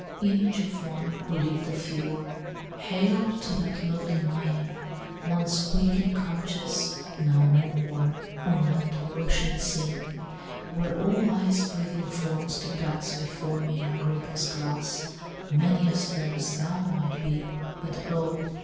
"'Image of one who lived of yore, Hail to that lovely mien! Once quick and conscious, now no more On land or ocean seen; Were all life's breathing forms to pass Before me in Agrippa's glass, Many as fair as thou might be, But oh!